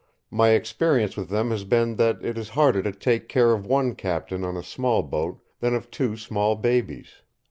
My experience with them has been that it is harder to take care of one captain on a small boat than of two small babies.